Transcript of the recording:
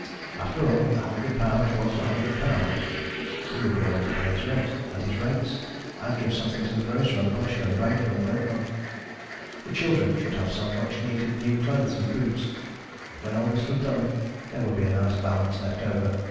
After all, a hundred pounds was a hundred pounds. He would be able to pay his rent, and his rates, and give something to the grocer and the butcher and the baker and the milkman; the children should have some much needed new clothes and boots when all this was done, there would be a nice balance left over.